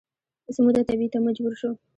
څه موده تبعید ته مجبور شو